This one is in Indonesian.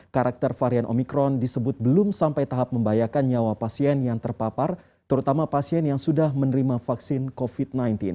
karakter varian omikron disebut belum sampai tahap membahayakan nyawa pasien yang terpapar terutama pasien yang sudah menerima vaksin covid sembilan belas